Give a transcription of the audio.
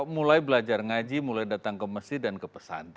mulai belajar ngaji mulai datang ke masjid dan ke pesantren